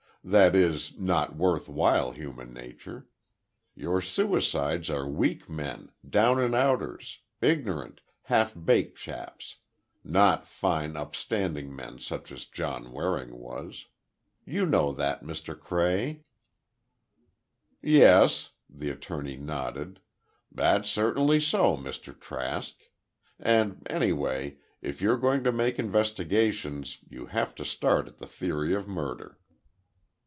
That is, not worthwhile Human Nature. Your suicides are weak men, down and outers, ignorant, half baked chaps. Not fine, upstanding men such as John Waring was. You know that, Mr. Cray?" "Yes," the attorney nodded. "That's certainly so, Mr. Trask. And, anyway, if you're going to make investigations, you have to start on the theory of murder."